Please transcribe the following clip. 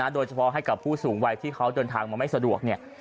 โดยเฉพาะให้กับผู้สูงวัยที่เขาเดินทางมาไม่สะดวก